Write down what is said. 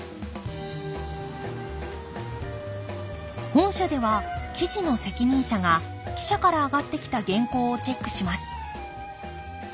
本社では記事の責任者が記者から上がってきた原稿をチェックします